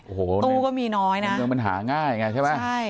โอ้โหตู้ก็มีน้อยนะเมืองมันหาง่ายไงใช่ไหมใช่